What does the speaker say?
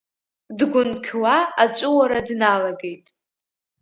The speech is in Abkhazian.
Дгәынқьуа аҵәуара дналагеит.